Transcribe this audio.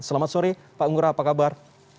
selamat sore pak ngurah apa kabar